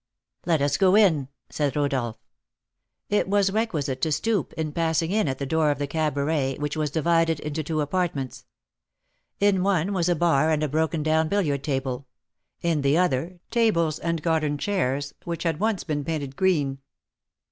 "Let us go in," said Rodolph. It was requisite to stoop in passing in at the door of the cabaret, which was divided into two apartments. In one was a bar and a broken down billiard table; in the other, tables and garden chairs, which had once been painted green.